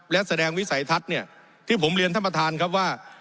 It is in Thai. และแสดงวิสัยทัศน์เนี่ยที่ผมเรียนท่านประธานครับว่า